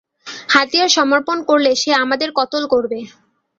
হাতিয়ার সমর্পণ করলে সে আমাদের কতল করবে।